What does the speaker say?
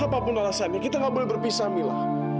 apapun alasannya kita gak boleh berpisah milah